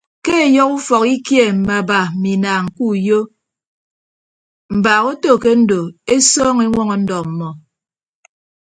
Ke ọyọhọ ufọk ikie mme aba mme inaañ ke uyo mbaak oto ke ndo esọọñọ eñwọñọ ndọ ọmmọ.